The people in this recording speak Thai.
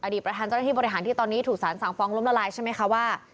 ประธานเจ้าหน้าที่บริหารที่ตอนนี้ถูกสารสั่งฟ้องล้มละลายใช่ไหมคะว่า